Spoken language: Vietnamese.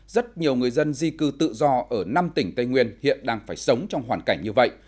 rất nhiều người dân di cư tự do ở năm tỉnh tây nguyên hiện đang phải sống trong hoàn cảnh như vậy